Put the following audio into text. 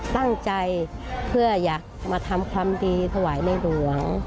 ตั้งใจเพื่ออยากมาทำความดีถวายในหลวง